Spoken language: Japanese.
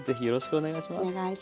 お願いします。